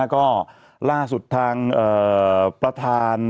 ก็ล่าสุดทางประธาน